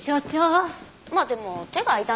まあでも手が空いたんで一応。